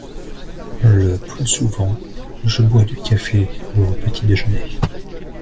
Le plus souvent je bois du café au petit déjeuner.